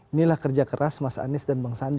inilah kerja keras mas anies dan bang sandi